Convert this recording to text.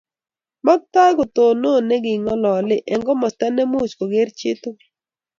Maktoi kotonon ne ngololi eng komasta nemuch koker chitukul